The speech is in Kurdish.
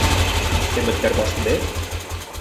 demek derbas dibe;